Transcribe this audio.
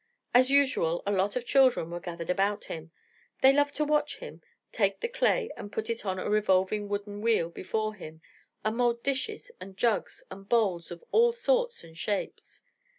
As usual, a lot of children were gathered about him. They loved to watch him take the clay and put it on a revolving wooden wheel before him and mould dishes and jugs and bowls of all sorts and shapes.